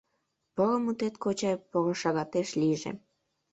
Поро мутет, кочай, поро шагатеш лийже.